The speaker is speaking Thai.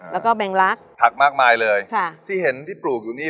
แล้วก็แบงลักษณ์ผักมากมายเลยค่ะที่เห็นที่ปลูกอยู่นี่